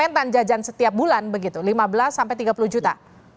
mentan jajan setiap bulan begitu lima belas sampai tiga puluh juta